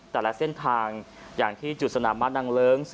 แต่ละเส้นทางอย่างที่จุดสนามบ้านนางเลิ้ง